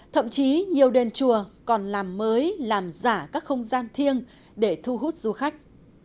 thậm chí nhiều đền chùa còn làm mới làm giả các không gian thiêng để thu hút du khách